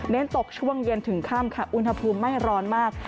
ตกช่วงเย็นถึงค่ำค่ะอุณหภูมิไม่ร้อนมาก